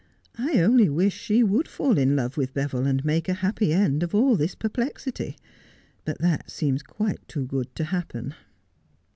I only wish she would fall in love with Beville, and make a happy end of all this per plexity. But that seems quite too good to happen.'